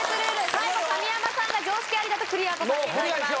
最後神山さんが常識ありだとクリアとさせていただきます